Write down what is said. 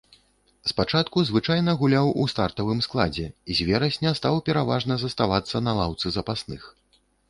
Спачатку звычайна гуляў у стартавым складзе, з верасня стаў пераважна заставацца на лаўцы запасных.